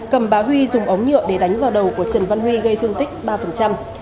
cầm bá huy dùng ống nhựa để đánh vào đầu của trần văn huy gây thương tích ba